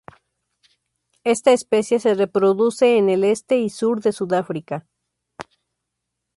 Esta especie se reproduce en el este y sur de Sudáfrica.